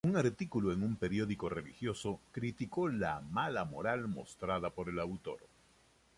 Un artículo en un periódico religioso criticó ´la mala moral mostrada por el autor.